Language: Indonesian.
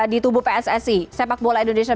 di tubuh pssi sepak bola indonesia